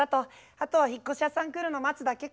あとは引っ越し屋さん来るの待つだけか。